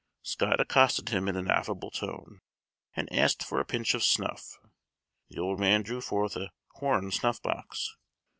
Scott accosted him in an affable tone, and asked for a pinch of snuff. The old man drew forth a horn snuff box.